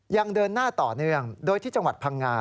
ยังเดินหน้าต่อเนื่องโดยที่จังหวัดพังงา